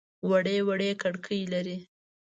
وړې وړې کړکۍ لري.